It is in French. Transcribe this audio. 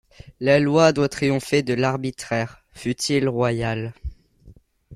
La loi doit triompher de l'arbitraire, fût-il royal!